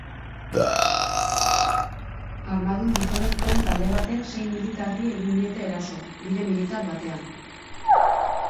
Armadun gizonezkoen talde batek sei militarri egin diete eraso, bide militar batean.